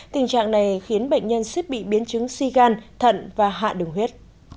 tình trạng này khiến bệnh nhân sức bị biến chứng si gan thận và hạ đường huyết